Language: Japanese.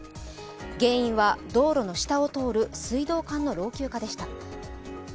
原因は、道路の下を通る水道管の老朽化でした。